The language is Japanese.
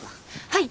はい。